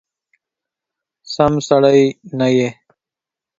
سم سړی نه یې !